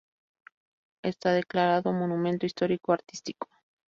Está declarado Monumento Histórico Artístico.